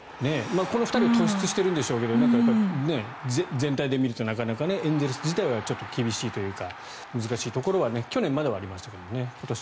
この２人は突出しているんでしょうけど全体で見るとなかなかエンゼルス自体はちょっと厳しいというか難しいところは去年まではありましたけどね。